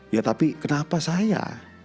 ya tapi kenapa saya